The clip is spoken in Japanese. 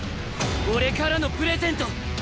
俺からのプレゼント！